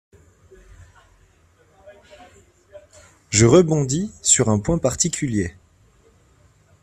Je rebondis sur un point particulier.